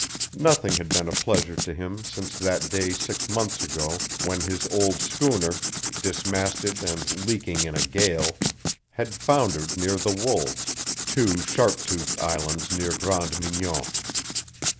Nothing had been a pleasure to him since that day six months ago when his old schooner, dismasted and leaking in a gale, had foundered near the Wolves, two sharp toothed islands near Grande Mignon.